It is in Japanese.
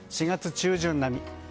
４月中旬並み。